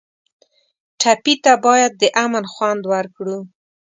ټپي ته باید د امن خوند ورکړو.